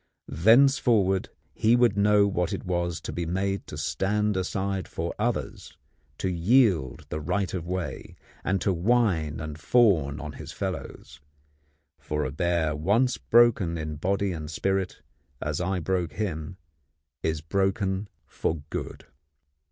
Thenceforward he would know what it was to be made to stand aside for others, to yield the right of way, and to whine and fawn on his fellows; for a bear once broken in body and spirit, as I broke him, is broken for good.